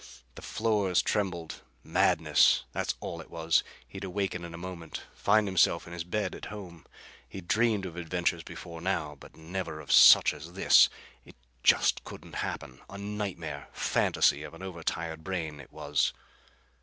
The floors trembled. Madness! That's all it was! He'd awaken in a moment. Find himself in his own bed at home. He'd dreamed of adventures before now. But never of such as this! It just couldn't happen! A nightmare fantasy of an over tired brain it was.